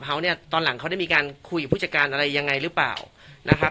เขาเนี่ยตอนหลังเขาได้มีการคุยกับผู้จัดการอะไรยังไงหรือเปล่านะครับ